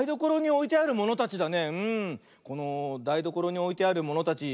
このだいどころにおいてあるものたち